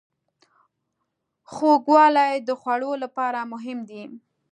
خوږوالی د خوړو لپاره مهم دی.